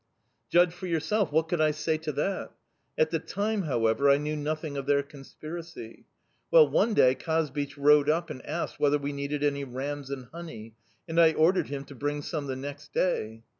Judge for yourself, what could I say to that?... At the time, however, I knew nothing of their conspiracy. Well, one day Kazbich rode up and asked whether we needed any rams and honey; and I ordered him to bring some the next day.